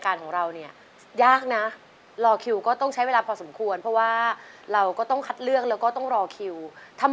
เขาก็ว่าก็เรียบร้อยได้เดี๋ยวแม่จะลองส่งประวัติไปดูอะไรอย่างนี้ค่ะ